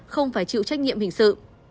không phải chịu trách nhiệm hình sự